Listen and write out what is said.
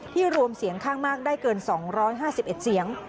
รวมเสียงข้างมากได้เกิน๒๕๑เสียง